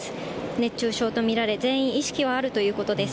熱中症と見られ、全員意識はあるということです。